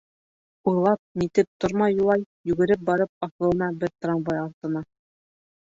Уйлап-нитеп тормай Юлай, йүгереп барып аҫылына бер трамвай артына.